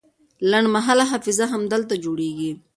لنډمهاله حافظه همدلته جوړیږي.